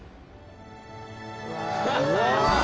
うわ！